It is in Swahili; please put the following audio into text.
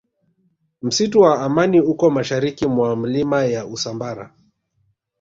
msitu wa amani uko mashariki mwa milima ya usambara